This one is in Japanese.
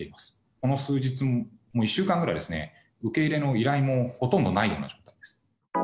この数日、１週間ぐらい、受け入れの依頼もほとんどないような状態です。